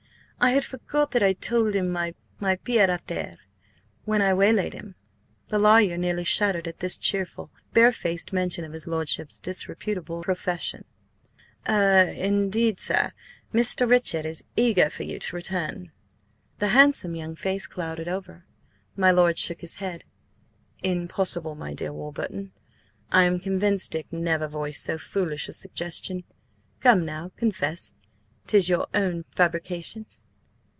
I had forgot that I told him my–pied à terre when I waylaid him." The lawyer nearly shuddered at this cheerful, barefaced mention of his lordship's disreputable profession. "Er–indeed, sir. Mr. Richard is eager for you to return." The handsome young face clouded over. My lord shook his head. "Impossible, my dear Warburton. I am convinced Dick never voiced so foolish a suggestion. Come now, confess! 'tis your own fabrication?"